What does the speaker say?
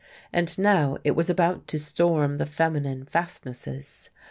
And now it was about to storm the feminine fastnesses!